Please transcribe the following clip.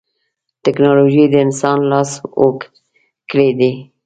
ټکنالوجي د انسان لاس اوږد کړی دی.